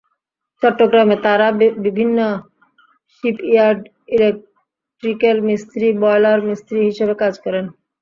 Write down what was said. চট্টগ্রামে তাঁরা বিভিন্ন শিপইয়ার্ড, ইলেকট্রিক্যাল মিস্ত্রি, বয়লার মিস্ত্রি হিসেবে কাজ করেন।